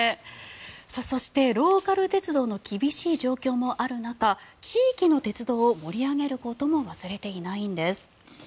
そして、ローカル鉄道の厳しい状況もある中地域の鉄道を盛り上げることも忘れていないんです。